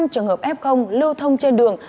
một trăm ba mươi năm trường hợp f lưu thông trên đường